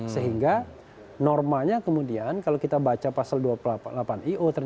sehingga normanya kemudian kalau kita baca pasal dua puluh delapan i o